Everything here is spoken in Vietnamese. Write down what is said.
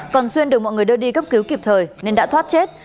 còn xuyên được mọi người đưa đi cấp cứu kịp thời nên đã thoát chết